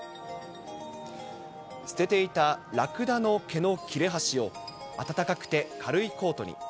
捨てていたラクダの毛の切れ端を、暖かくて軽いコートに。